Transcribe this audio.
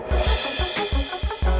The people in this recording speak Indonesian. terima kasih ya sus goreng